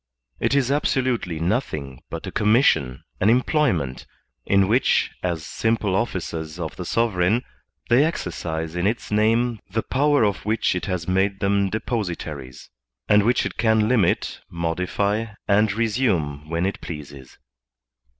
It is absolutely nothing but a commission, an employment, in which, as simple officers of the sovereign, they exercise in its name the power of which it has made them depositaries, and which it can limit, modify, and resume when it pleases.